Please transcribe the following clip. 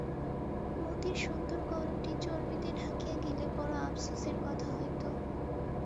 মতির সুন্দর গড়নটি চর্বিতে ঢাকিয়া গেলে বড় আপসোসের কথা হইত।